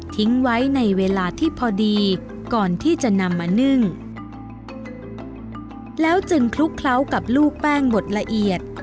ทิ้งไว้ในเวลาที่พอดีก่อนที่จะนำมานึ่งแล้วจึงคลุกเคล้ากับลูกแป้งบดละเอียด